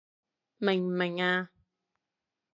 明唔明啊？